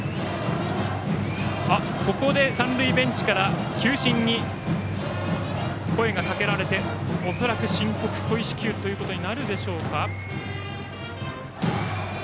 ここで三塁ベンチから球審に声がかけられて恐らく申告故意四球となるでしょうか。